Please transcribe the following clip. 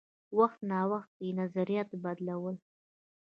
وخت نا وخت یې نظریات بدلول.